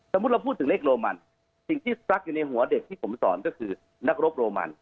สมมุติเราพูดถึงเลขโรมันสิ่งที่ซักอยู่ในหัวเด็กที่ผมสอนก็คือนักรบโรมัน